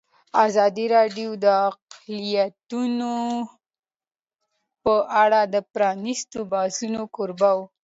ازادي راډیو د اقلیتونه په اړه د پرانیستو بحثونو کوربه وه.